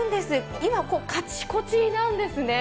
今カチコチなんですね。